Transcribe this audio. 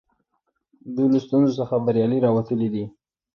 دوی له ستونزو څخه بریالي راوتلي دي.